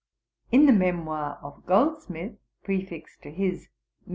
In the Memoir of Goldsmith, prefixed to his _Misc.